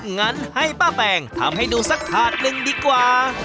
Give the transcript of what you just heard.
งั้นให้ป้าแปงทำให้ดูสักถาดหนึ่งดีกว่า